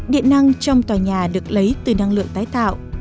điện năng trong tòa nhà được lấy từ năng lượng tái tạo